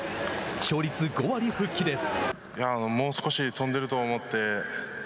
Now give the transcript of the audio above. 勝率５割復帰です。